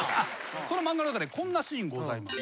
その漫画の中でこんなシーンございます。